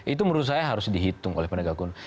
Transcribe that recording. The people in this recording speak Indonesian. itu menurut saya harus dihitung oleh penegak hukum